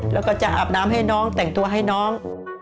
แล้วก็จะอาบน้ำให้น้องแต่งตัวให้น้อง